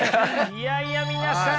いやいや皆さん